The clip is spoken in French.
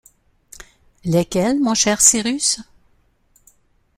Lesquels, mon cher Cyrus?